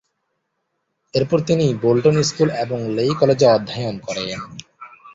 এরপর তিনি Bolton school এবং লেই কলেজে অধ্যয়ন করেন।